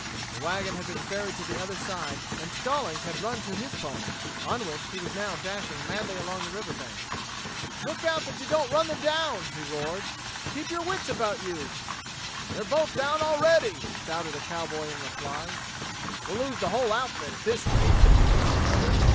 The wagon had been ferried to the other side, and Stallings had run to his pony, on which he was now dashing madly along the river bank. "Look out that you don't run them down!" he roared. "Keep your wits about you!" "They're both down, already!" shouted a cowboy in reply. "We'll lose the whole outfit at this rate," growled another.